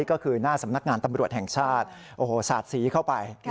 ก็คือหน้าสำนักงานตำรวจแห่งชาติโอ้โหสาดสีเข้าไป